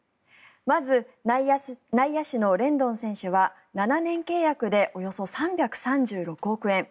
まず内野手のレンドン選手は７年契約でおよそ３３６億円。